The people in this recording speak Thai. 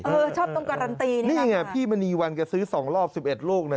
เออชอบตรงการันตีนี่ไงพี่มันนีวันจะซื้อสองรอบสิบเอ็ดลูกนะ